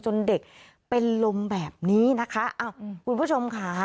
เด็กเป็นลมแบบนี้นะคะอ้าวคุณผู้ชมค่ะ